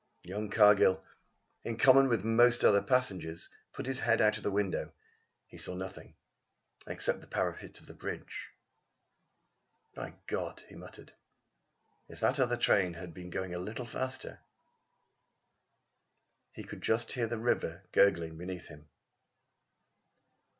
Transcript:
Young Cargill, in common with most other passengers put his head out of the window. He saw nothing except the parapet of the bridge. "By God!" he muttered. "If that other train had been going a little faster " He could just hear the river gurgling beneath him.